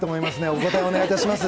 お答え、お願いします。